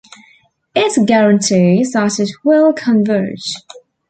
It guarantees that it will converge.